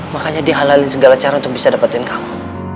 makanya dia halalin segala cara untuk bisa dapetin kamu